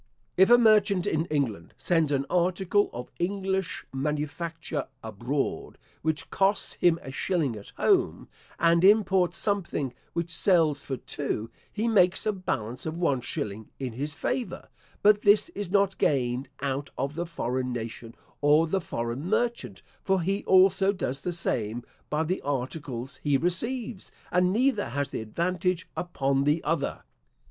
If a merchant in England sends an article of English manufacture abroad which costs him a shilling at home, and imports something which sells for two, he makes a balance of one shilling in his favour; but this is not gained out of the foreign nation or the foreign merchant, for he also does the same by the articles he receives, and neither has the advantage upon the other.